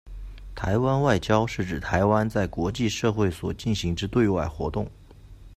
台湾外交是指台湾在国际社会所进行之对外活动。